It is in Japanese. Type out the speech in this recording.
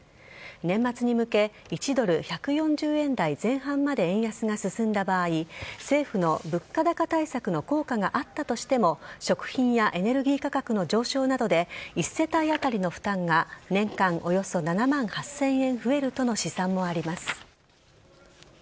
年末に向け１ドル１４０円台前半まで円安が進んだ場合政府の物価高対策の効果があったとしても食品やエネルギー価格の上昇などで１世帯当たりの負担が年間およそ７万８０００円増えるとの試算もあります。